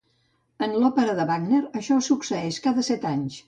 En l'òpera de Wagner, això succeeix cada set anys.